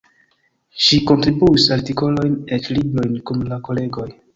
Ŝi kontribuis artikolojn, eĉ librojn kun la kolegoj.